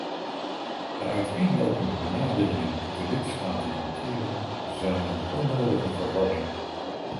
De uiteenlopende benaderingen die de lidstaten hanteren, zaaien onnodige verwarring.